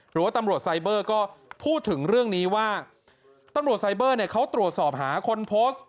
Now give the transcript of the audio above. หรือว่าตำรวจไซเบอร์ก็พูดถึงเรื่องนี้ว่าตำรวจไซเบอร์เนี่ยเขาตรวจสอบหาคนโพสต์